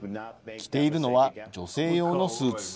着ているのは女性用のスーツ。